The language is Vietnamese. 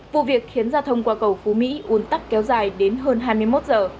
vụ việc khiến giao thông qua cầu phú mỹ un tắc kéo dài đến hơn hai mươi một giờ